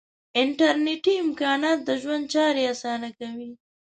انټرنیټي امکانات د ژوند چارې آسانه کوي.